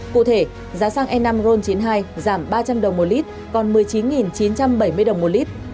cụ thể giá xăng n năm ron chín mươi hai giảm ba trăm linh đồng mỗi lít còn một mươi chín chín trăm bảy mươi đồng mỗi lít